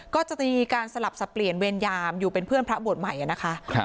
ก็จะมีการสลับสับเปลี่ยนเวรยามอยู่เป็นเพื่อนพระบวชใหม่นะคะ